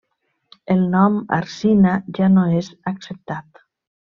El nom arsina ja no és acceptat.